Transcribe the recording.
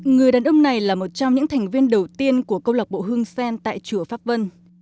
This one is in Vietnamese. người đàn ông này là một trong những thành viên đầu tiên của câu lạc bộ hương sen tại chùa pháp vân